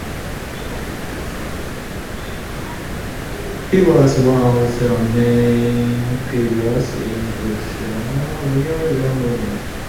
He was one of the main figures in Galician "Rexurdimento" movement.